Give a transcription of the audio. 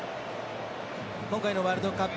今回のワールドカップ